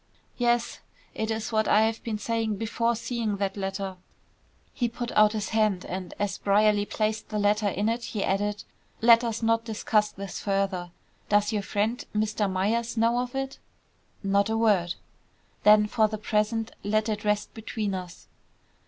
"Yes. It is what I have been saying before seeing that letter." He put out his hand, and as Brierly placed the letter in it, he added, "Let us not discuss this further. Does your friend, Mr. Myers, know of it?" "Not a word." "Then for the present let it rest between us."